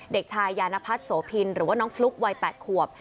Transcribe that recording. เด็กชายยานพัฒน์โสพินหรือว่าน้องฟลุ๊กวัย๘ขวบ